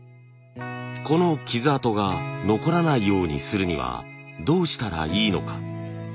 この傷あとが残らないようにするにはどうしたらいいのか？